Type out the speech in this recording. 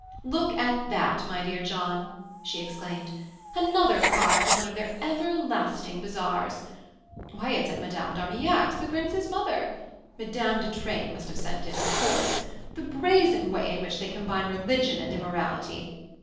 "Look at that, my dear John," she exclaimed "another card to one of their everlasting bazaars! Why, it's at Madame d'Armillac's, the Prince's mother. Madame de Treymes must have sent it, of course. The brazen way in which they combine religion and immorality!